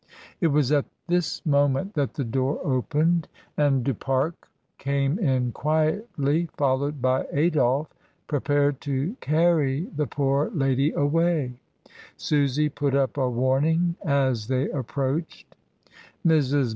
It was at this moment that the door opened, and Du Mrs. Dymond. //. 1 6 242 MRS. DYMOND. Pare came in quietly, followed by Adolphe, pre pared to carry the poor lady away. Susy put up a warning as they approached. Mrs.